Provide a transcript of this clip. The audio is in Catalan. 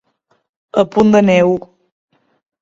A punt de neu.